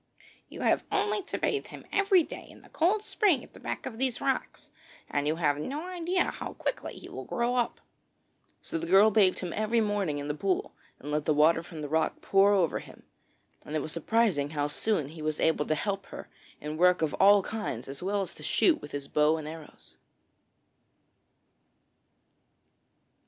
'You have only to bathe him every day in the cold spring at the back of these rocks, and you have no idea how quickly he will grow up.' So the girl bathed him every morning in the pool and let the water from the rock pour over him, and it was surprising how soon he was able to help her in work of all kinds as well as to shoot with his bow and arrows.